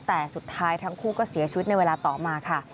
แต่สุดท้ายทั้งคู่ก็เสียชีวิตในเวลาต่อมาค่ะ